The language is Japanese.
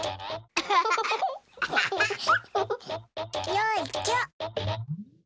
よいちょ。